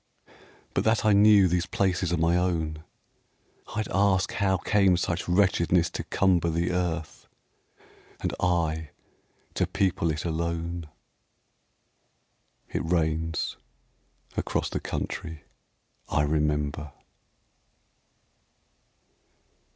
But that I knew these places are my own, I'd ask how came such wretchedness to cumber The earth, and I to people it alone. It rains across the country I remember.